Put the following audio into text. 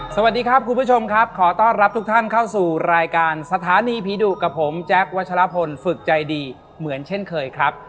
สวัสดีครับคุณผู้ชมครับขอต้อนรับทุกท่านเข้าสู่รายการสถานีผีดุกับผมแจ๊ควัชลพลฝึกใจดีเหมือนเช่นเคยครับ